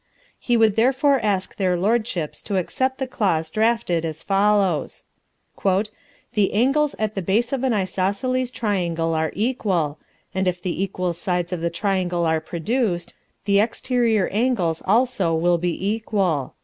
He would therefore ask their Lordships to accept the clause drafted as follows: "The angles at the base of an isosceles triangle are equal, and if the equal sides of the triangle are produced, the exterior angles will also be equal."